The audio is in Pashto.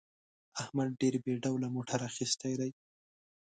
احمد ډېر بې ډوله موټر اخیستی دی.